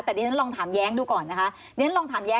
แต่ดิฉันลองถามแย้งดูก่อนนะคะ